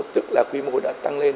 tức là quy mô đã tăng lên